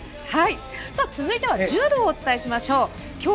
続いては柔道をお伝えしましょう。